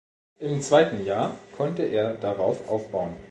Im zweiten Jahr konnte er darauf aufbauen.